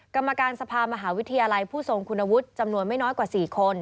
กรรมการสภามหาวิทยาลัยผู้ทรงคุณวุฒิจำนวนไม่น้อยกว่า๔คน